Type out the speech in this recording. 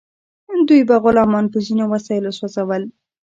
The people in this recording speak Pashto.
دوی به غلامان په ځینو وسایلو سوځول.